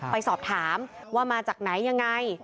ไปสอบถามว่ามาจากไหนยังไง